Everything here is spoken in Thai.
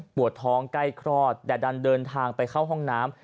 ปวดท้องใกล้คลอดแต่ดันเดินทางไปเข้าห้องน้ำ